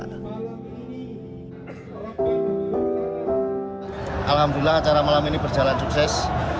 alhamdulillah acara malam ini berjalan sukses